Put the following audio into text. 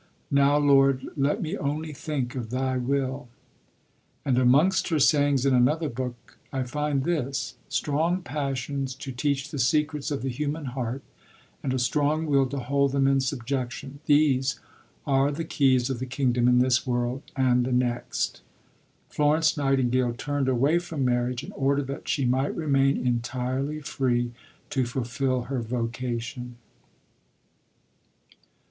Now, Lord, let me only think of Thy will." And amongst her sayings in another book, I find this: "Strong passions to teach the secrets of the human heart, and a strong will to hold them in subjection, these are the keys of the kingdom in this world and the next." Florence Nightingale turned away from marriage in order that she might remain entirely free to fulfil her vocation.